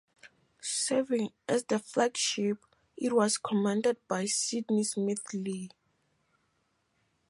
Serving as the flagship; it was commanded by Sydney Smith Lee.